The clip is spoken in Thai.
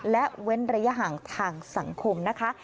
และเว้นระยะห่างทางสังคมนะคะ